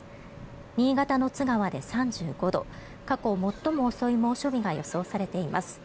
新潟の津川で３５度過去最も遅い猛暑日が予想されています。